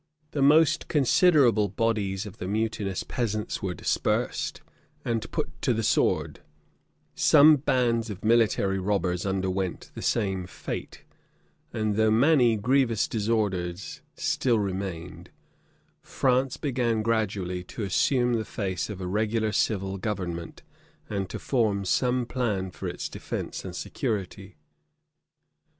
[] The most considerable bodies of the mutinous peasants were dispersed, and put to the sword: some bands of military robbers underwent the same fate: and though many grievous disorders still remained, France began gradually to assume the face of a regular civil government, and to form some plan for its defence and security.